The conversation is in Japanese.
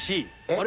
あれ？